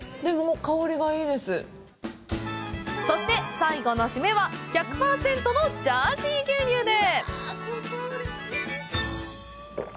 そして、最後の締めは１００％のジャージー牛乳で！